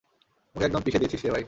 ওকে একদম পিষে দিয়েছিস রে, ভাই!